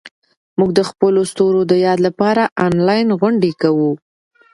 موږ د خپلو ستورو د یاد لپاره انلاین غونډې کوو.